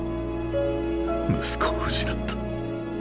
息子を失った。